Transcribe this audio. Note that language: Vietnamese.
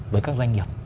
với các doanh nghiệp